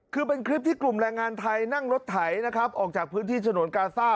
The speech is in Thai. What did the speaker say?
คือเป็นคลิปที่กลุ่มแรงงานไทยนั่งรถไถนะครับออกจากพื้นที่ฉนวนกาซ่า